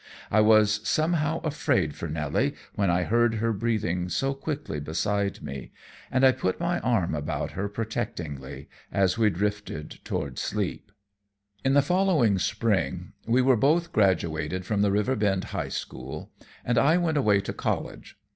I was somehow afraid for Nelly when I heard her breathing so quickly beside me, and I put my arm about her protectingly as we drifted toward sleep. In the following spring we were both graduated from the Riverbend high school, and I went away to college.